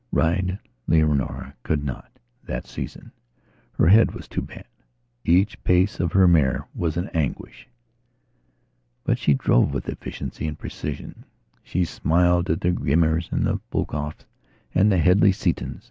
Ride Leonora could not, that seasonher head was too bad. Each pace of her mare was an anguish. But she drove with efficiency and precision; she smiled at the Gimmers and Foulkes and the Hedley Seatons.